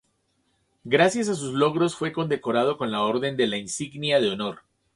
Gracias a sus logros fue condecorado con la Orden de la Insignia de Honor.